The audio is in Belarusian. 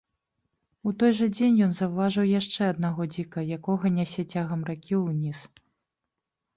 У той жа дзень ён заўважыў яшчэ аднаго дзіка, якога нясе цягам ракі ўніз.